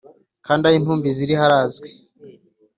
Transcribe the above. Kandi aho intumbi ziri harazwi